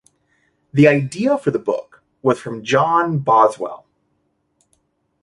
The idea for the books was from John Boswell.